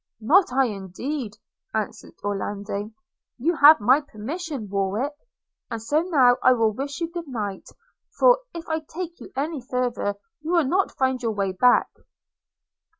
'Not I, indeed,' answered Orlando; 'you have my permission, Warwick – and so now I will wish you good night; for, if I take you any farther, you will not find your way back.'